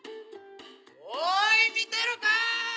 おい見てるか！